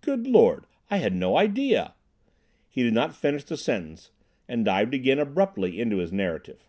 "Good Lord! I had no idea—" He did not finish the sentence, and dived again abruptly into his narrative.